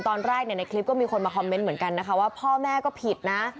ตอนแรกในคลิปก็มีคนมาคอมเมนต์เหมือนกันนะคะว่าพ่อแม่ก็ผิดนะ